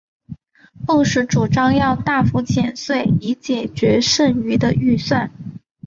布什主张要大幅减税以解决剩余的预算。